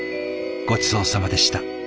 ごちそうさまでした。